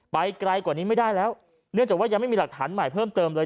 ไปไกลกว่านี้ไม่ได้แล้วเนื่องจากว่ายังไม่มีหลักฐานใหม่เพิ่มเติมเลย